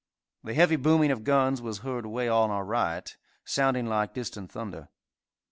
The heavy booming of guns was heard away on our right, sounding like distant thunder.